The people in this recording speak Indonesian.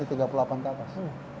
di tiga puluh delapan keatas